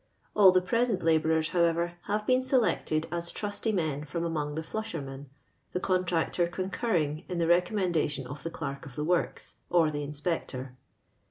All the present labourers, however, have been selected as trusty men from among Uie flushermen, the eontraetor concurring in the recommendation of the elerk of the works, or the inspector.